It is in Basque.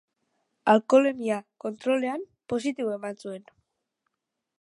Alkoholemia kontrolean positibo eman zuen.